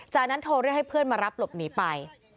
จากนั้นโทรเรียกให้เพื่อนมารับหลบหนีไป